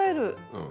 うん。